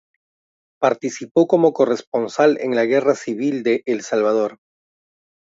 Participó como corresponsal en la guerra civil de El Salvador.